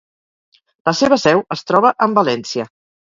La seva seu es troba en València.